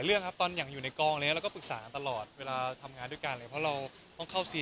เราก็รู้สึกว่าเวลามีใครมานั่งฟังเรา